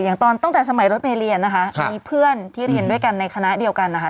ตอนตั้งแต่สมัยรถเมเรียนนะคะมีเพื่อนที่เรียนด้วยกันในคณะเดียวกันนะคะ